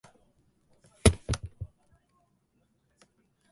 ちんすこうすこ